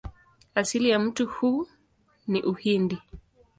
Asili ya mti huu ni Uhindi.